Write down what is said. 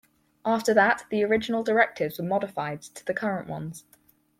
After that the original directives were modified to the current ones.